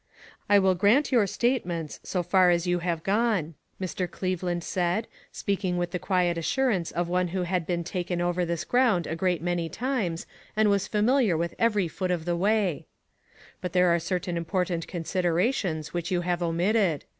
" I will grant all your statements, so far us you have gone," Mr. Cleveland said, speaking with the quiet assurance of one who had been taken over this ground a great many times, and was familiar with every foot of the way, " but there are cer tain important considerations which you have omitted.